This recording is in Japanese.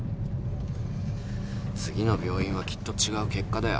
次の病院はきっと違う結果だよ。